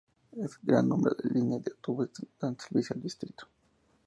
Un gran número de líneas de autobuses dan servicio al distrito.